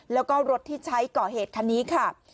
แล้วก็รถที่ใช้ก่อเหตุคันนี้ค่ะ